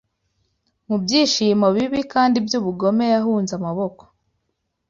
Mu byishimo bibi kandi by'ubugome Yahunze amaboko